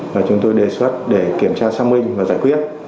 và chúng tôi đề xuất để kiểm tra xác minh và giải quyết